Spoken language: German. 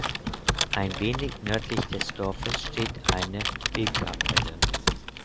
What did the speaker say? Ein wenig nördlich des Dorfes steht eine Wegkapelle.